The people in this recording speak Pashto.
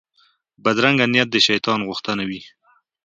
بدرنګه نیت د شیطان غوښتنه وي